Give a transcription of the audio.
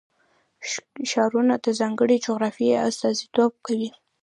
ښارونه د ځانګړې جغرافیې استازیتوب کوي.